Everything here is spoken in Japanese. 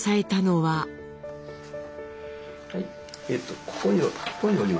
はい。